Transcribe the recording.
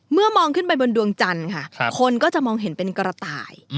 มองขึ้นไปบนดวงจันทร์ค่ะคนก็จะมองเห็นเป็นกระต่าย